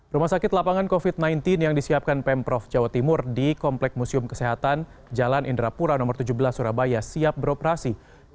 rumah sakit lapangan covid sembilan belas yang disiapkan pemprov jawa timur di komplek museum kesehatan jalan indrapura no tujuh belas surabaya siap beroperasi